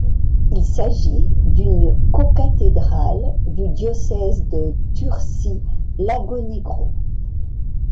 Il s'agit d'une cocathédrale du diocèse de Tursi-Lagonegro.